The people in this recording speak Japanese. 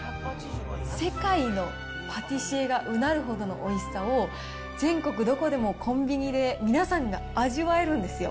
世界のパティシエがうなるほどのおいしさを、全国どこでもコンビニで、皆さんが味わえるんですよ。